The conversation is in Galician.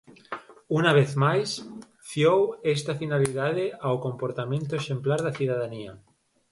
Unha vez máis fiou esta finalidade ao comportamento exemplar da cidadanía.